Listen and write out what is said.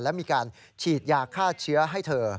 และมีการฉีดยาฆ่าเชื้อให้เธอ